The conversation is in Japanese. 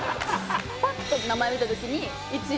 パッと名前見た時に１位。